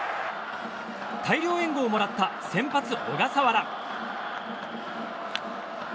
大量援護をもらった先発、小笠原。